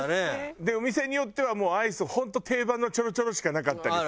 でお店によってはもうアイス本当定番のチョロチョロしかなかったりさ。